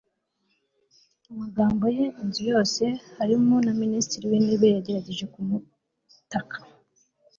amagambo ye. inzu yose, harimo na minisitiri w'intebe yagerageje kumutaka